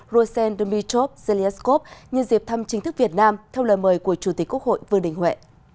rosen dmitov zelenskov nhân dịp thăm chính thức việt nam theo lời mời của chủ tịch quốc hội vương đình huệ